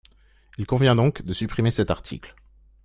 Il convient donc de supprimer cet article.